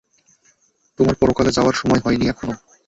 তোমার পরকালে যাওয়ার সময় হয়নি এখনও।